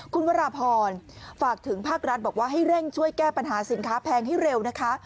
คุณวราพรฝากถึงภาครัฐบอกว่าให้เร่งช่วยแก้ปัญหาสินค้าแพงให้เร็วนะคะ